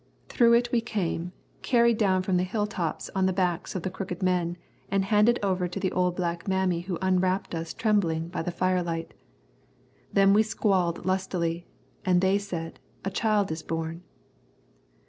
Through it we came, carried down from the hill tops on the backs of the crooked men and handed over to the old black mammy who unwrapped us trembling by the firelight. Then we squalled lustily, and they said "A child is born."